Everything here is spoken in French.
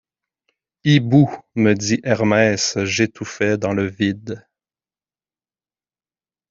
Hibou ! me dit Hermès j’étouffais dans le vide ;